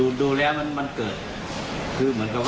คือเหมือนกับว่ามันพลุกลงมาครั้งเดียว